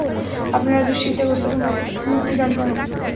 আপনারা দুশ্চিন্তাগ্রস্তকে মুক্তি দান করেন।